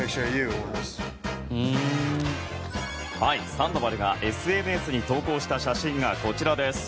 サンドバルがＳＮＳに投稿した写真が、こちらです。